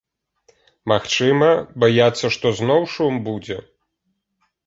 Магчыма, баяцца, што зноў шум будзе.